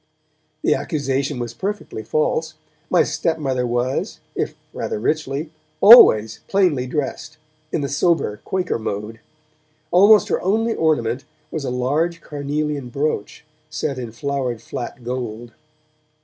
The accusation was perfectly false; my stepmother was, if rather richly, always, plainly dressed, in the sober Quaker mode; almost her only ornament was a large carnelian brooch, set in flowered flat gold.